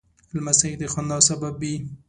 لمسی د خندا سبب وي.